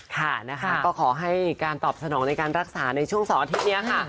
ค่ะนะคะก็ขอให้การตอบสนองในการรักษาในช่วง๒อาทิตย์นี้ค่ะ